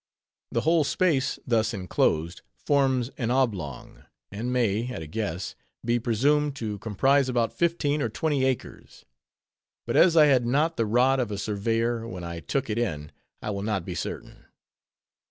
The whole space thus inclosed forms an oblong, and may, at a guess, be presumed to comprise about fifteen or twenty acres; but as I had not the rod of a surveyor when I took it in, I will not be certain.